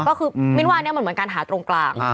ก็คือมิ้นว่าเนี่ยมันเหมือนการหาตรงกลาง